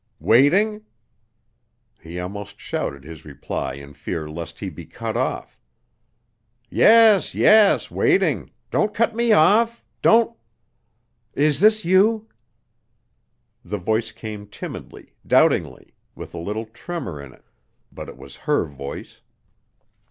"Waiting?" He almost shouted his reply in fear lest he be cut off. "Yes! Yes! waiting. Don't cut me off. Don't " "Is this you?" The voice came timidly, doubtingly with a little tremor in it, but it was her voice.